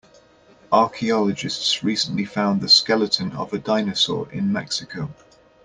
Archaeologists recently found the skeleton of a dinosaur in Mexico.